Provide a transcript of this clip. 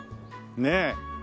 ねえ。